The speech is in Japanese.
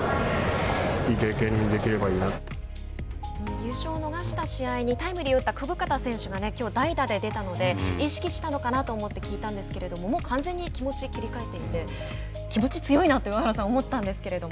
優勝を逃した試合に打った久保方選手がきょう代打で出たので意識したのかなと思って聞いたんですけれどももう完全に気持ちを切り替えていて、気持ち強いなと上原さん思ったんですけれども。